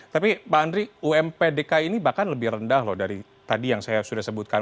tapi pak andri ump dki ini bahkan lebih rendah loh dari tadi yang saya sudah sebutkan